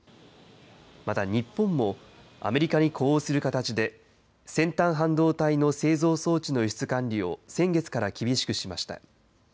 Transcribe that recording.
また日本も、アメリカに呼応する形で、先端半導体の製造装置の輸出管理を先月から厳しくしました。